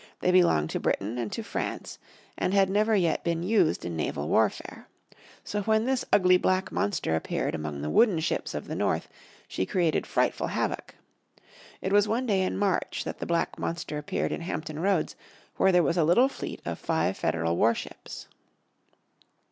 They belonged to Britain and to France, and had never yet been used in naval warfare. So when this ugly black monster appeared among the wooden ships of the North she created frightful havoc. It was one day in March that the black monster appeared in Hampton Roads where there was a little fleet of five Federal warships.